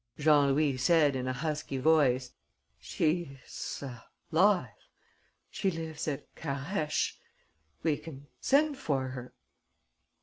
Jean Louis said, in a husky voice: "She is alive.... She lives at Carhaix.... We can send for her...."